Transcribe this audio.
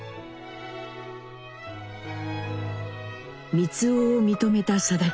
光男を認めた定吉。